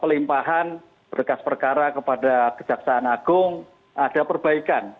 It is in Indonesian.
pelimpahan berkas perkara kepada kejaksaan agung ada perbaikan